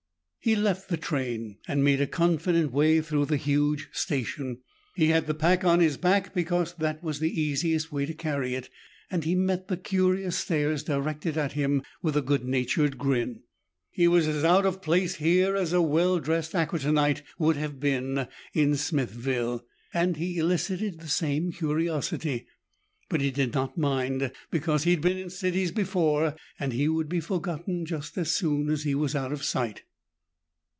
He left the train and made a confident way through the huge station. He had the pack on his back because that was the easiest way to carry it, and he met the curious stares directed at him with a good natured grin. He was as out of place here as a well dressed Ackertonite would have been in Smithville, and he elicited the same curiosity. But he did not mind because he had been in cities before and he would be forgotten as soon as he was out of sight.